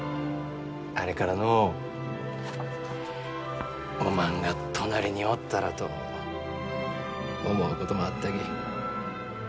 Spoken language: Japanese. あれからのうおまんが隣におったらと思うこともあったき。